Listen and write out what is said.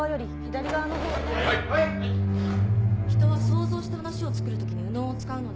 人は想像して話を作るときに右脳を使うので。